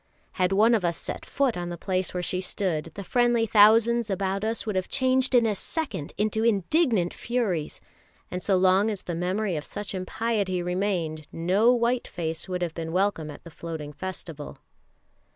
Had one of us set foot on the place where she stood, the friendly thousands about us would have changed in a second into indignant furies, and so long as the memory of such impiety remained no white face would have been welcome at the Floating Festival.